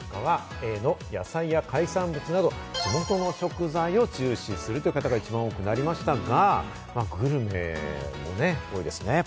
野菜や海産物など、地元食材を重視する方が一番多くなりましたが、グルメもね、多いですね。